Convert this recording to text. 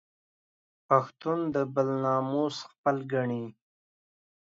پښتون د بل ناموس خپل ګڼي